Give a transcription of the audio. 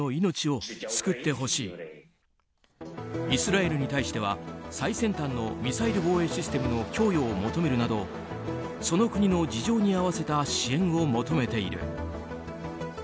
イスラエルに対しては最先端のミサイル防衛システムの供与を求めるなどその国の事情に合わせた支援を求めている。